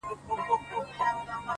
o دا مي سوگند دی،